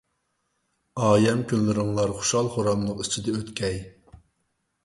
ئايەم كۈنلىرىڭلار خۇشال-خۇراملىق ئىچىدە ئۆتكەي!